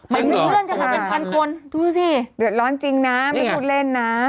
จริงเหรอมีคนทันไหมดูสิเดือดร้อนจริงนะไม่ถูกเล่นนะ